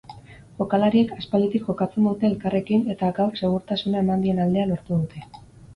Jokalariek aspalditik jokatzen dute elkarrekin eta gaur segurtasuna eman dien aldea lortu dute.